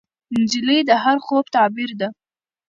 نجلۍ د هر خوب تعبیر ده.